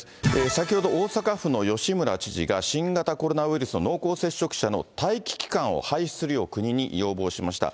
先ほど大阪府の吉村知事が、新型コロナウイルスの濃厚接触者の待機期間を廃止するよう国に要望しました。